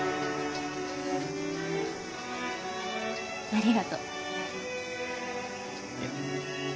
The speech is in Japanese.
ありがとう。いや。